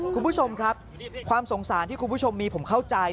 คุณผู้ชมครับความสงสารที่คุณผู้ชมมีผมเข้าใจ